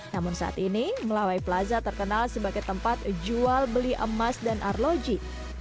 namun saat ini melawai plaza terkenal sebagai tempat jual beli emas dan arloji